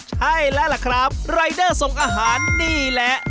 ใช่แล้วล่ะครับรายเดอร์ส่งอาหารนี่แหละ